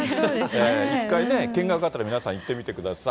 一回ね、見学がてら、皆さん、行ってみてください。